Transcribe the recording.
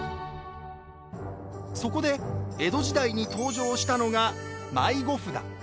そこで、江戸時代に登場したのが迷子札。